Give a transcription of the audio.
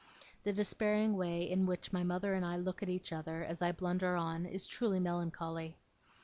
The despairing way in which my mother and I look at each other, as I blunder on, is truly melancholy.